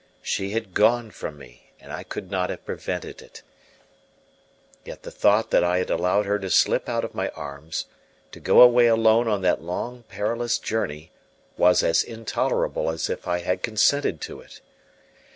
She had gone from me, and I could not have prevented it; yet the thought that I had allowed her to slip out of my arms, to go away alone on that long, perilous journey, was as intolerable as if I had consented to it.